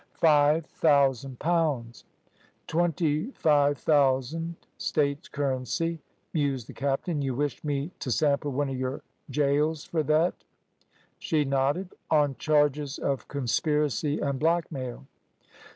"Five thousand pounds." "Twenty five thousand, States currency," mused the captain. "Y wish me t' sample one of your gaols fur thet." She nodded. "On charges of conspiracy and blackmail."